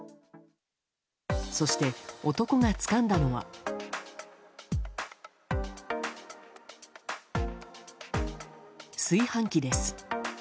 そして、男がつかんだのは炊飯器です。